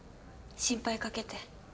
心配かけて。